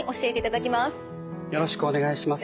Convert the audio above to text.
よろしくお願いします。